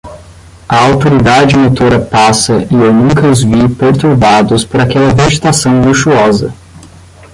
A autoridade motora passa e eu nunca os vi perturbados por aquela vegetação luxuosa.